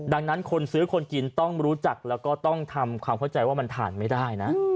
ดังนั้นคนซื้อคนกินต้องรู้จักแล้วก็ต้องทำความเข้าใจว่ามันทานไม่ได้นะ